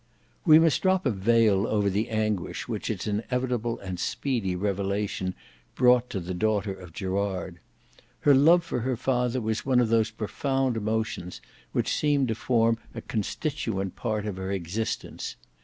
We must drop a veil over the anguish which its inevitable and speedy revelation brought to the daughter of Gerard. Her love for her father was one of those profound emotions which seemed to form a constituent part of her existence.